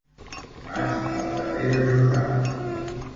Vaig al carrer de Jordà.